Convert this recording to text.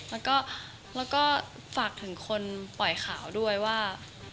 แล้วก็ฝากถึงคนปล่อยข่าวด้วยว่า